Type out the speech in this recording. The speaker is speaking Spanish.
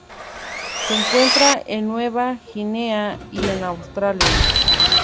Se encuentra en Nueva Guinea y Australia.